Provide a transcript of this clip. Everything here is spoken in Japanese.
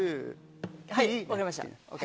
はい分かりました。